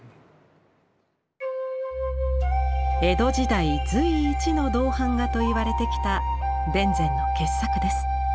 江戸時代随一の銅版画と言われてきた田善の傑作です。